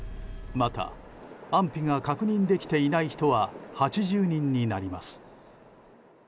また安否が確認できていない人は８０人になります。